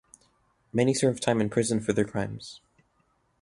Many serve time in prison for their crimes.